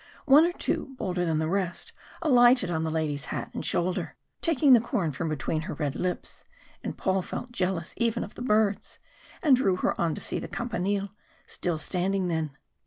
One or two, bolder than the rest, alighted on the lady's hat and shoulder, taking the corn from between her red lips, and Paul felt jealous even of the birds, and drew her on to see the Campanile, still standing then.